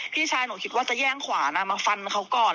พี่ชายหนูคิดว่าจะแย่งขวานมาฟันเขาก่อน